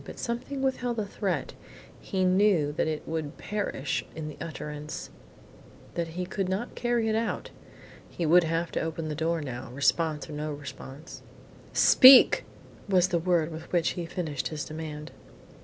But something withheld the threat. He knew that it would perish in the utterance; that he could not carry it out. He would have to open the door now, response or no response. "Speak!" was the word with which he finished his demand.